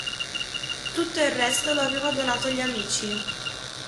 Tutto il resto lo aveva donato agli amici.